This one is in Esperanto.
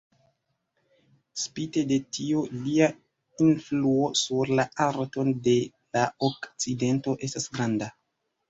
Spite de tio, lia influo sur la arton de la Okcidento estas granda.